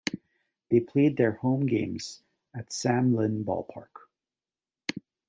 They played their home games at Sam Lynn Ballpark.